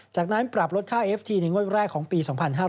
จากนั้นปรับลดค่าเอฟทีในงวดแรกของปี๒๕๕๙